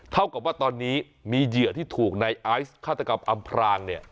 เท่ากับว่าตอนนี้มีเหยื่อที่ถูกในไอซ์ฆาตกรรมอำพรางเนี่ย